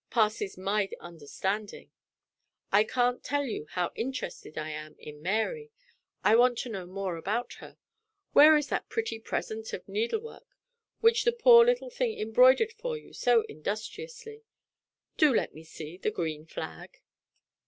passes my understanding. I can't tell you how interested I am in Mary! I want to know more about her. Where is that pretty present of needle work which the poor little thing embroidered for you so industriously? Do let me see the green flag!"